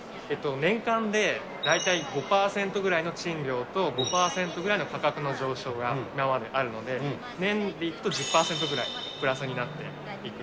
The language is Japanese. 年間で大体５％ぐらいの賃料と、５％ぐらいの価格の上昇が、今まで今まであるので、年でいくと１０％ぐらいプラスになっていく。